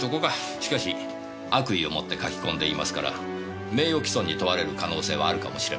しかし悪意を持って書き込んでいますから名誉毀損に問われる可能性はあるかもしれません。